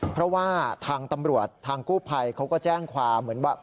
เพราะว่าทางตำรวจทางกู้ภัยเขาก็แจ้งความเหมือนว่า